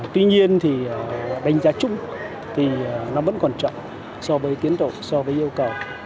tuy nhiên thì đánh giá chung thì nó vẫn còn chậm so với tiến độ so với yêu cầu